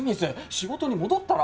仕事に戻ったら？